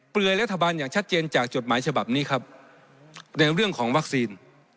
ยรัฐบาลอย่างชัดเจนจากจดหมายฉบับนี้ครับในเรื่องของวัคซีน